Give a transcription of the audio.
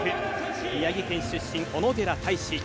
宮城県出身、小野寺太志。